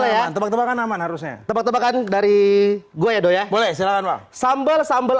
ya tebak tebakan aman harusnya tebak tebakan dari gue ya doya boleh silahkan sambal sambal